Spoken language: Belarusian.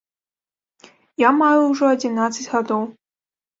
Я маю ўжо адзінаццаць гадоў.